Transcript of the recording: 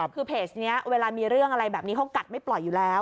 คือเพจนี้เวลามีเรื่องอะไรแบบนี้เขากัดไม่ปล่อยอยู่แล้ว